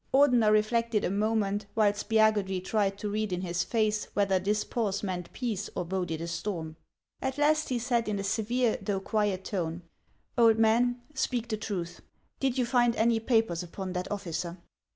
Or dener reflected a moment, while Spiagudry tried to read in his face whether this pause meant peace or boded a storm. At last he said, in a severe though quiet tone :" Old man, speak the truth ! Did you find any papers upon that officer